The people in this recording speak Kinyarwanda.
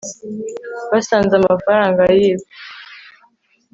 basanze amafaranga yibwe